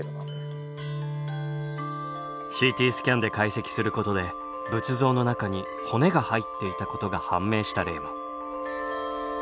ＣＴスキャンで解析することで仏像の中に骨が入っていたことが判明した例も。